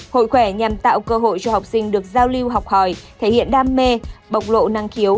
hội khỏe nhằm tạo cơ hội cho học sinh được giao lưu học hỏi thể hiện đam mê bộc lộ năng khiếu